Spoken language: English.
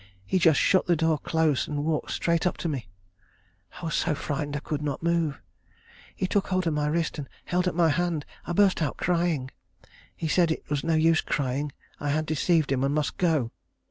He just shut the door close and walked straight up to me. I was so frightened I could not move. He took hold of my wrist and held up my hand. I burst out crying. He said it was no use crying; I had deceived him, and must go.